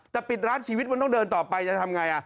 แต่ปิดร้านชีวิตมันต้องเดินต่อไปจะทำไง